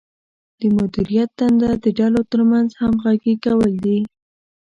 د مدیریت دنده د ډلو ترمنځ همغږي کول دي.